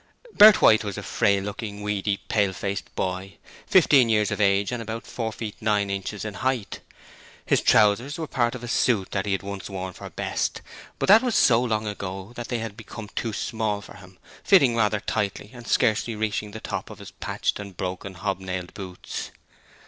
Bert White was a frail looking, weedy, pale faced boy, fifteen years of age and about four feet nine inches in height. His trousers were part of a suit that he had once worn for best, but that was so long ago that they had become too small for him, fitting rather tightly and scarcely reaching the top of his patched and broken hob nailed boots.